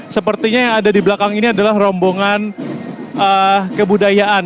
sepertinya yang ada di belakang ini adalah rombongan kebudayaan